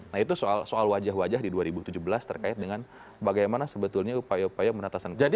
nah itu soal wajah wajah di dua ribu tujuh belas terkait dengan bagaimana sebetulnya upaya upaya penatasan korupsi